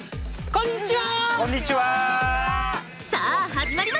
こんにちは！